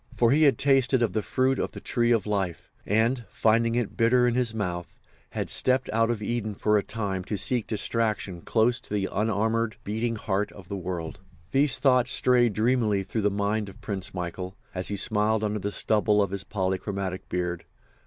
For he had tasted of the fruit of the tree of life, and, finding it bitter in his mouth, had stepped out of Eden for a time to seek distraction close to the unarmoured, beating heart of the world. These thoughts strayed dreamily through the mind of Prince Michael, as he smiled under the stubble of his polychromatic beard.